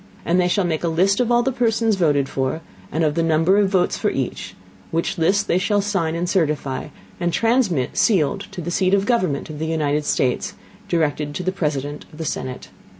And they shall make a List of all the Persons voted for, and of the Number of Votes for each; which List they shall sign and certify, and transmit sealed to the Seat of the Government of the United States, directed to the President of the Senate.